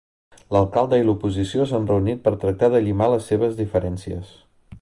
L'alcalde i l'oposició s'han reunit per tractar de llimar les seves diferències.